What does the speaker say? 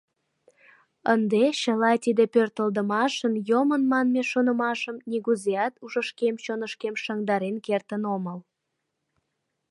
Ынде чыла тиде пӧртылдымашын йомын манме шонымашым нигузеат ушышкем-чонышкем шыҥдарен кертын омыл.